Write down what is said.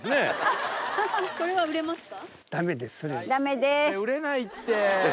売れないって。